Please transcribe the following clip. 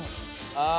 ああ。